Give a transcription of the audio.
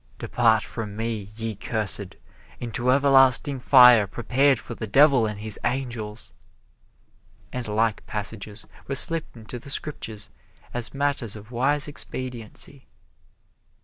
"Depart from me, ye cursed, into everlasting fire prepared for the devil and his angels," and like passages were slipped into the Scriptures as matters of wise expediency.